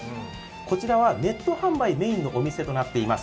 こちらはネット販売メインのお店となっています。